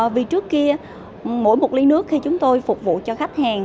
vì trước kia mỗi một ly nước khi chúng tôi phục vụ cho khách hàng